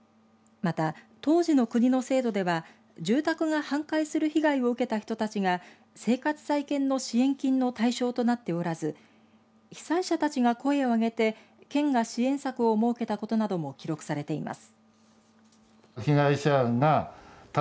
また、当時の国の制度では住宅が半壊する被害を受けた人たちが生活再建の支援金の対象となっておらず被災者たちが声をあげて県が支援策を設けたことなども記録されています。